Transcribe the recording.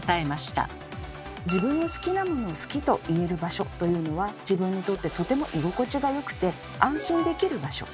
自分の好きなものを「好き」と言える場所というのは自分にとってとても居心地がよくて安心できる場所。